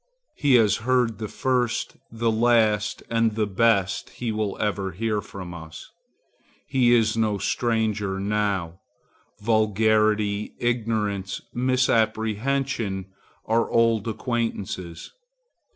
He has heard the first, the last and best he will ever hear from us. He is no stranger now. Vulgarity, ignorance, misapprehension are old acquaintances.